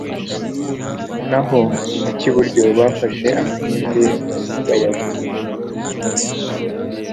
naho mu cy'iburyo bafashe amahembe bayavuza